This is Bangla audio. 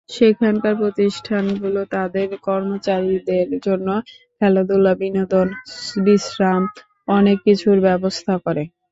সেখানকার প্রতিষ্ঠানগুলো তাদের কর্মচারীদের জন্য খেলাধুলা, বিনোদন, বিশ্রাম—অনেক কিছুর ব্যবস্থা করে।